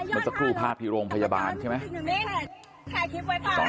ผิดลูกภาคที่โรงพยาบาลใช่ไหม